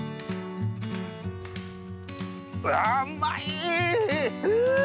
うわうまい。